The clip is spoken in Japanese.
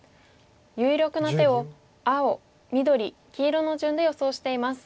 有力な手を青緑黄色の順で予想しています。